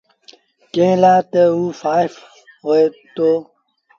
ڪݩهݩ لآ تا اوٚ سآڦ هوئي دو۔